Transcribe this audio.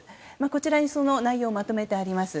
こちらにその内容をまとめてあります。